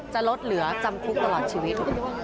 จะลดเหลือจำคุกตลอดชีวิต